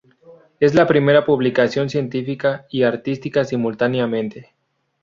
Es la primera publicación científica y artística simultáneamente.